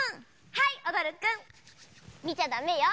はいおどるくんみちゃダメよ。